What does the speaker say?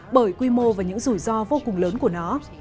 bởi quy mô và những rủi ro vô cùng lớn của nó